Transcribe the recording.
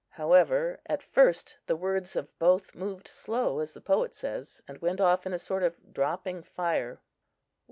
However, at first the words of both "moved slow," as the poet says, and went off in a sort of dropping fire.